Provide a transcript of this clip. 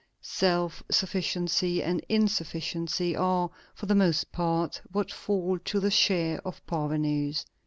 Self sufficiency and insufficiency are, for the most part, what fall to the share of parvenus.